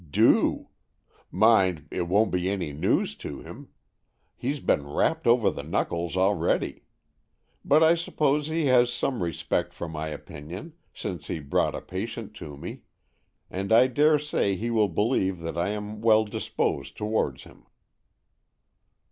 "'' Do. Mind, it won't be any news to him. AN EXCHANGE OF SOULS 15 He's been rapped over the knuckles already. But I suppose he has some respect for my opinion, since he brought a patient to me, and I dare say he will believe that I am well disposed towards him."